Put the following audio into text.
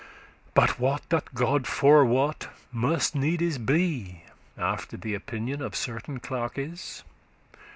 But what that God forewot* must needes be, *foreknows After th' opinion of certain clerkes.